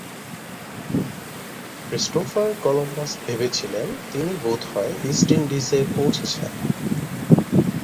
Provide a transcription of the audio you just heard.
Christopher Columbus ভেবেছিলেন তিনি বোধহয় ইস্ট ইন্ডিজে পৌঁছেছেন।